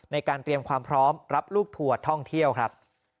ในการเตรียมความพร้อมรับลูกทัวร์ท่องเที่ยวครับ